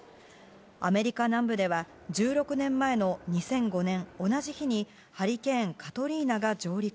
アメリカ南部では、１６年前の２００５年、同じ日にハリケーン、カトリーナが上陸。